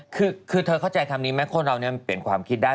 คือเธอเข้าใจคำนี้ไหมคนเราเนี่ยมันเปลี่ยนความคิดได้